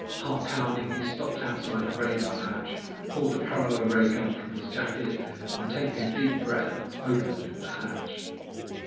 Heart pounding, he stopped outside the radar hatch, pulled the paralo ray gun from his jacket, and taking a deep breath opened the hatch.